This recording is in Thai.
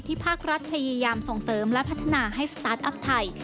ภาครัฐพยายามส่งเสริมและพัฒนาให้สตาร์ทอัพไทย